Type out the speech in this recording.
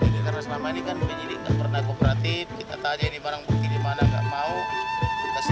karena selama ini kan menjadi gak pernah kooperatif kita tanya ini barang bukti di mana gak mau